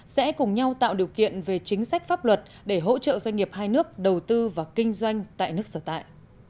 sẽ cùng nhau tạo điều kiện về chính sách pháp luật để hỗ trợ doanh nghiệp hai nước đầu tư và kinh doanh tại nước sở tại